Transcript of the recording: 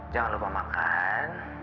jangan lupa makan